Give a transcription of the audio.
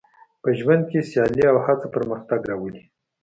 په ژوند کې سیالي او هڅه پرمختګ راولي.